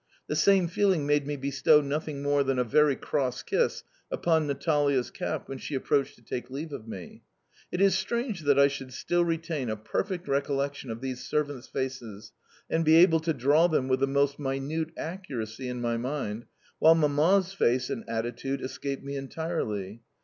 The same feeling made me bestow nothing more than a very cross kiss upon Natalia's cap when she approached to take leave of me. It is strange that I should still retain a perfect recollection of these servants' faces, and be able to draw them with the most minute accuracy in my mind, while Mamma's face and attitude escape me entirely.